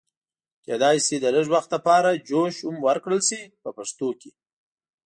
کېدای شي د لږ وخت لپاره جوش هم ورکړل شي په پښتو کې.